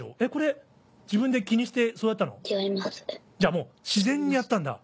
もう自然にやったんだ。